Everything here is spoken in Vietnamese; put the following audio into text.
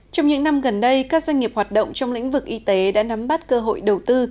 trong những năm gần đây các doanh nghiệp hoạt động trong lĩnh vực y tế đã nắm bắt cơ hội đầu tư